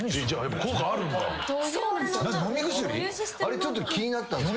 あれちょっと気になった。